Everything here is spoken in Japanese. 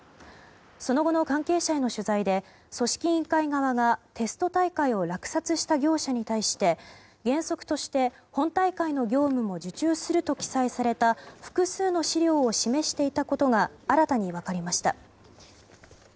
その後の関係者への取材で組織委員会側がテスト大会を落札した業者に対して原則として本大会の業務も受注すると記載された複数の資料を示していたことが新たに分かりました。